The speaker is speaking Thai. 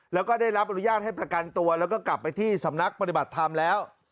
แล้วก็ได้รับอนุญาตให้ประกันตัวแล้วก็กลับไปที่สำนักปฏิบัติธรรมแล้ว